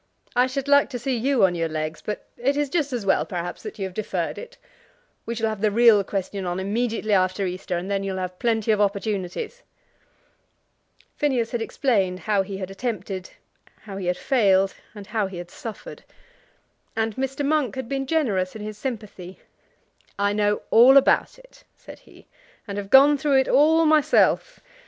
I should like to see you on your legs, but it is just as well, perhaps, that you have deferred it. We shall have the real question on immediately after Easter, and then you'll have plenty of opportunities." Phineas had explained how he had attempted, how he had failed, and how he had suffered; and Mr. Monk had been generous in his sympathy. "I know all about it," said he, "and have gone through it all myself.